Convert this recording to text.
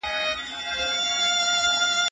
لږ خو ښه زده کړه تر ډیري خو بدې زده کړي غوره ده.